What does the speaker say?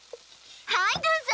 はいどうぞ！